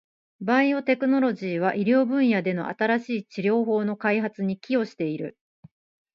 バイオテクノロジーは、医療分野での新しい治療法の開発に寄与している。